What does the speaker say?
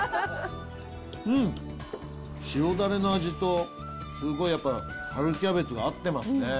うん、塩だれの味と、すごいやっぱ、春キャベツが合ってますね。